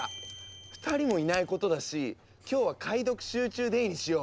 ２人もいないことだし今日は解読集中デーにしよう。